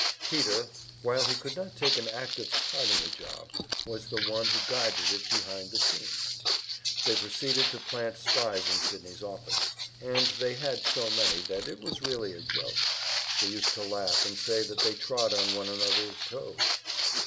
Peter, while he could not take an active part in the job, was the one who guided it behind the scenes. They proceeded to plant spies in Sydney's office, and they had so many that it was really a joke; they used to laugh and say that they trod on one another's toes.